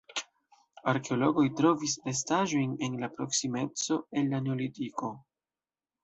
Arkeologoj trovis restaĵojn en la proksimeco el la neolitiko.